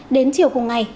đến chiều cùng ngày